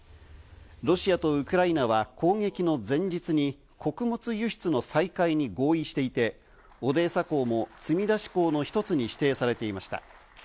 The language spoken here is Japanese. ロシアとウクライナは、攻撃の前日に穀物輸出の再開に合意していて、オデーサ港も積み出し港の一つに指定されていました。